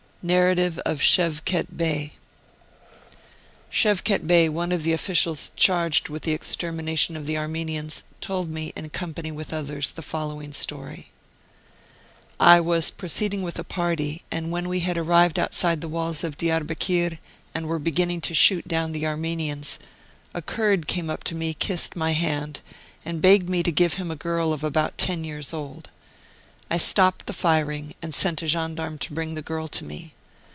NARRATIVE OF SHEVKET BEY. Shevket Bey, one of the officials charged with the extermination of the Armenians, told me, in company with others, the following story: "I was proceeding with a party, and when we had arrived outside the walls of Diarbekir and were ^beginning to shoot down the Armenians, a Kurd came up to me, kissed my hand, and begged me to give him a girl of about ten years old. I stopped the firing and sent a gendarme to bring the girl to me.